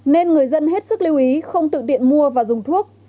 nên người dân hết sức lưu ý không tự mua và dùng thuốc